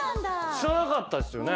知らなかったですよね。